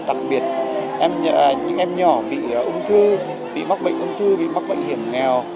đặc biệt những em nhỏ bị ung thư bị mắc bệnh ung thư bị mắc bệnh hiểm nghèo